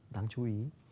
đáng chú ý